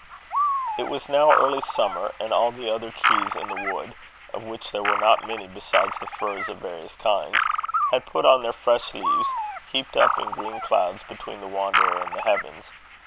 It was now early summer, and all the other trees in the wood of which there were not many besides the firs of various kinds had put on their fresh leaves, heaped up in green clouds between the wanderer and the heavens.